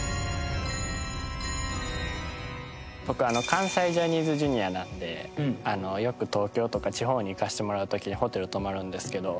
僕関西ジャニーズＪｒ．なんでよく東京とか地方に行かせてもらう時ホテル泊まるんですけど。